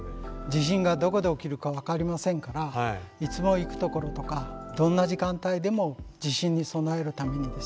地震がどこで起きるか分かりませんからいつも行くところとかどんな時間帯でも地震に備えるためにですね